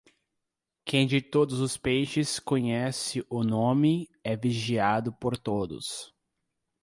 Quem de todos os peixes conhece o nome, é vigiado por todos.